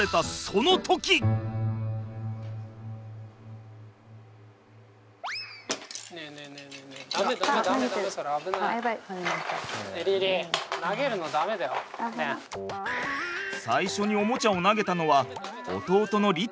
最初におもちゃを投げたのは弟の璃士ちゃん。